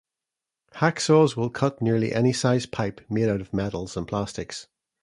Hacksaws will cut nearly any size pipe made out of metals and plastics.